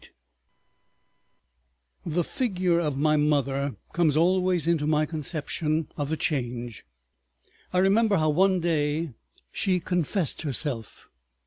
.§ 5 The figure of my mother comes always into my conception of the Change. I remember how one day she confessed herself.